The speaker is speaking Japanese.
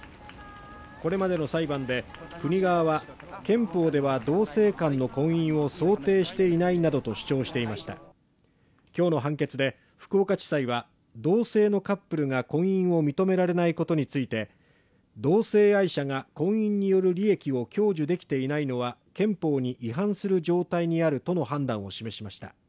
これまでの裁判で国側は憲法では同性間の婚姻を想定していないなどと主張していました今日の判決で福岡地裁は同性のカップルが婚姻を認められないことについて同性愛者が婚姻による利益を享受できていないのは憲法に違反する状態にあるとの判断を示しました。